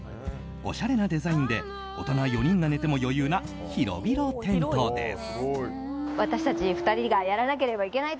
おしゃれなデザインで大人４人が寝ても余裕な広々テントです。